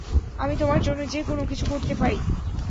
আমি তোমার জন্য যে কোনও কিছু করতে পারি!